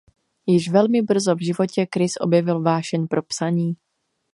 Již velmi brzo v životě Chris objevil vášeň pro psaní.